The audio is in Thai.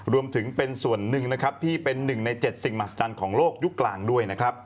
รวมถึงเป็นส่วนหนึ่งที่เป็นหนึ่งใน๗สิงหมาศจรรย์ของโลกยุคกลางด้วย